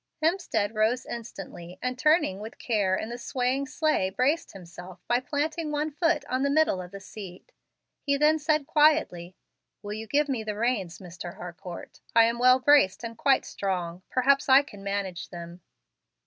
Hemstead rose instantly, and turning with care in the swaying sleigh braced himself by planting one foot on the middle of the seat. He then said quietly, "Will you give me the reins, Mr. Harcourt? I am well braced and quite strong. Perhaps I can manage them."